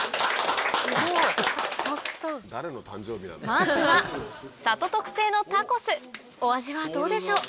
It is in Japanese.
まずは里特製のタコスお味はどうでしょう？